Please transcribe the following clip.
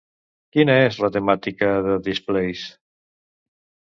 Quina és la temàtica de DisPLACE?